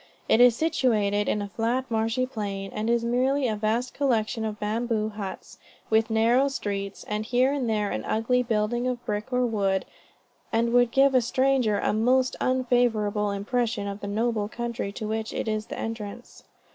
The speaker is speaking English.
It is situated in a flat, marshy plain, and is merely a vast collection of bamboo huts, with narrow streets, and here and there an ugly building of brick or wood, and would give a stranger a most unfavorable impression of the noble country to which it is the entrance.